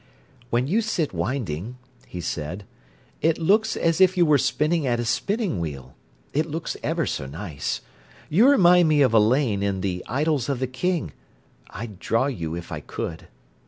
"When you sit winding," he said, "it looks as if you were spinning at a spinning wheel—it looks ever so nice. You remind me of Elaine in the 'Idylls of the King'. I'd draw you if I could."